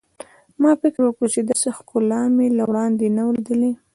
ما فکر وکړ چې داسې ښکلا مې له وړاندې نه وه لیدلې.